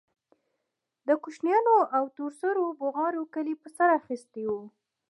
د کوچنيانو او تور سرو بوغارو کلى په سر اخيستى و.